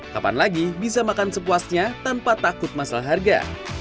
kapan lagi bisa makan sepuasnya tanpa takut masalah harga